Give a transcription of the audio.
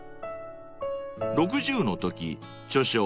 ［６０のとき著書